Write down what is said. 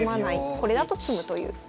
これだと詰むという。